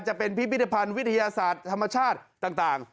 จะเป็นพิพิธภัณฑ์วิทยาศาสตร์ธรรมชาติต่าง